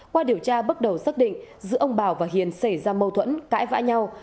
qua điều tra bước đầu xác định giữa ông bảo và hiền xảy ra mâu thuẫn cãi vã nhau